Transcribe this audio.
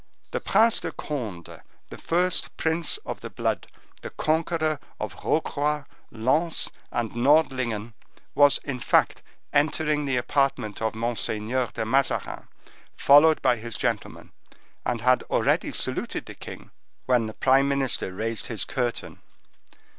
The Prince de Conde, the first prince of the blood, the conqueror of Rocroi, Lens, and Nordlingen, was, in fact, entering the apartment of Monseigneur de Mazarin, followed by his gentlemen, and had already saluted the king, when the prime minister raised his curtain.